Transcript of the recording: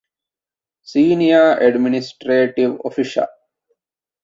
ސީނިޔަރ އެޑްމިނިސްޓްރޭޓިވް އޮފިޝަރ